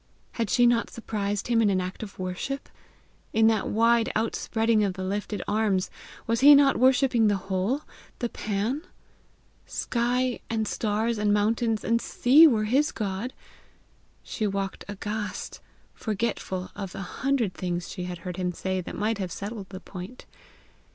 Had she not surprised him in an act of worship? In that wide outspreading of the lifted arms, was he not worshipping the whole, the Pan? Sky and stars and mountains and sea were his God! She walked aghast, forgetful of a hundred things she had heard him say that might have settled the point.